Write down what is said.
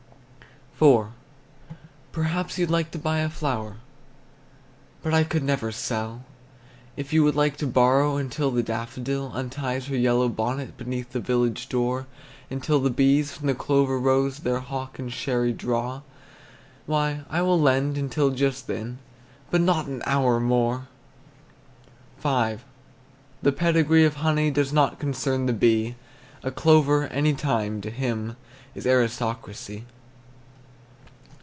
IV. Perhaps you'd like to buy a flower? But I could never sell. If you would like to borrow Until the daffodil Unties her yellow bonnet Beneath the village door, Until the bees, from clover rows Their hock and sherry draw, Why, I will lend until just then, But not an hour more! V. The pedigree of honey Does not concern the bee; A clover, any time, to him Is aristocracy.